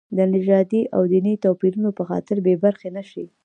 د نژادي او دیني توپیرونو په خاطر بې برخې نه شي.